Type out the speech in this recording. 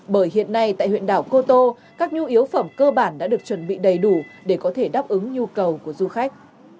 bởi hiện nay tại huyện đảo cô tô các nhu yếu phẩm cơ bản đã được chuẩn bị đầy đủ để có thể đáp ứng nhu cầu của du khách